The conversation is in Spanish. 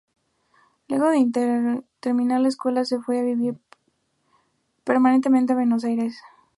Luego de terminar la escuela se fue a vivir permanentemente a Buenos Aires.